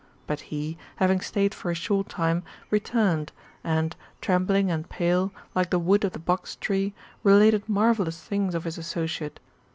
But he, having staid for a short time, returned, and, trembling and pale, like the wood of the box tree, related marvellous things of his associate.